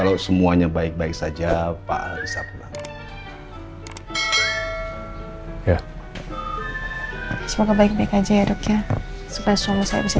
lo banyak banget sih